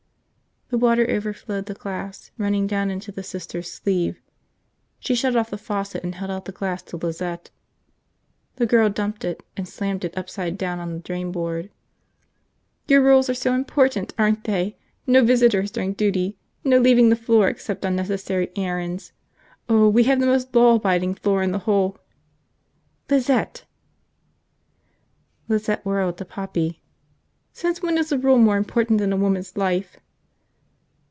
The water overflowed the glass, running down into the Sister's sleeve. She shut off the faucet and held out the glass to Lizette. The girl dumped it and slammed it upside down on the drain board. "Your rules are so important, aren't they? No visitors during duty, no leaving the floor except on necessary errands! Oh, we have the most law abiding floor in the whole. ..." "Lizette!" Lizette whirled to Poppy. "Since when is a rule more important than a woman's life?"